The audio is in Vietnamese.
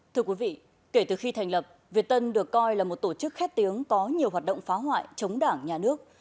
thưa quý vị kể từ khi thành lập việt tân được coi là một tổ chức khét tiếng có nhiều hoạt động phá hoại chống đảng nhà nước